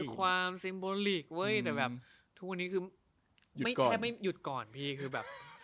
ความซิมโบลิกเว้ยแต่แบบทุกวันนี้คือไม่แทบไม่หยุดก่อนพี่คือแบบ